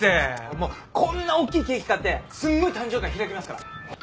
もうこんなおっきいケーキ買ってすんごい誕生会開きますから。